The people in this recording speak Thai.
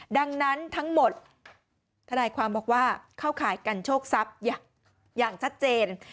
ดังนั้นทั้งหมดธนายความบอกว่าเข้าข่ายกันโชคทรัพย์อย่างชัดเจน